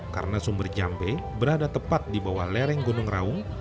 karena sumber jambe berada tepat di bawah lereng gunung raung